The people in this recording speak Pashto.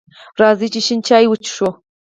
راځئ چې شین چای وڅښو!